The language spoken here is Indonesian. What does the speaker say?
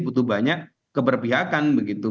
butuh banyak keberpihakan begitu